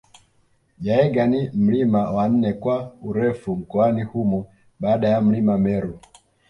Jaeger ni mlima wa nne kwa urefu mkoani humo baada ya milima Meru